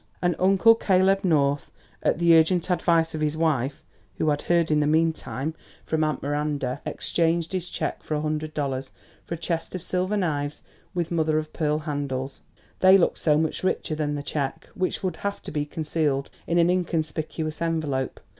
And Uncle Caleb North, at the urgent advice of his wife (who had heard in the meantime from Aunt Miranda), exchanged his cheque for a hundred dollars for a chest of silver knives with mother of pearl handles. They looked so much richer than the cheque, which would have to be concealed in an inconspicuous envelope.